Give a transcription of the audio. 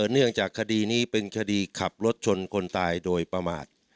เนื่องจากคดีนี้เป็นคดีขับรถชนคนตายโดยประมาท